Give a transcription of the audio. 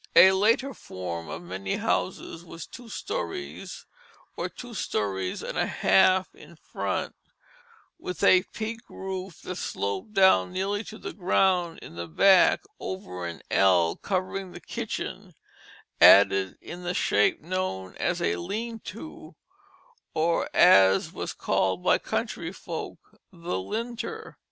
A later form of many houses was two stories or two stories and a half in front, with a peaked roof that sloped down nearly to the ground in the back over an ell covering the kitchen, added in the shape known as a lean to, or, as it was called by country folk, the linter.